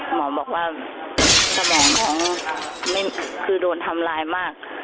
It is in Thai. หมอบอกว่าสมองของคือโดนทำลายมาก